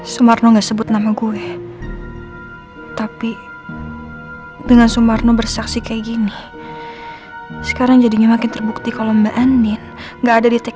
sampai jumpa di video selanjutnya